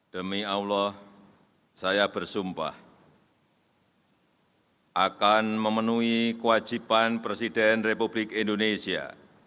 demi allah saya bersumpah akan memenuhi kewajiban presiden republik indonesia